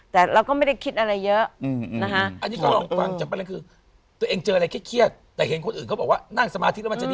แต่เราก็ไม่ได้คิดอะไรเยอะ